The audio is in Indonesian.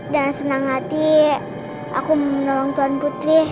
jangan senang hati aku mau menolong tuan putri